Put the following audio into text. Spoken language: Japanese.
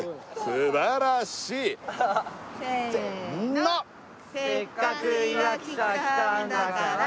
素晴らしいせーの「せっかくいわきさ来たんだがら」